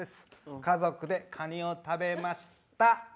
家族でかにを食べました。